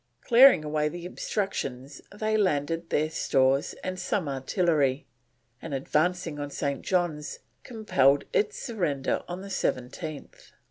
Clearing away the obstructions they landed their stores and some artillery, and advancing on St. John's, compelled its surrender on the 17th.